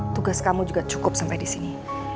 tugas kamu juga cukup sampai disini